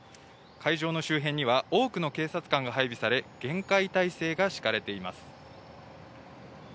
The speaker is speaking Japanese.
会場の周辺には多くの警察官が配備され、厳戒態勢が敷かれています。